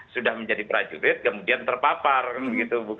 sudah menjadi prajurit kemudian terpapar gitu